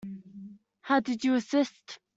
How did you assist?